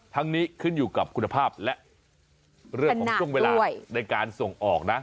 นี้ขึ้นอยู่กับคุณภาพและเรื่องของช่วงเวลาในการส่งออกนะ